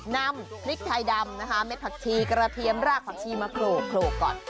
นำพริกไทยดำนะคะเม็ดผักชีกระเทียมรากผักชีมาโขลกก่อน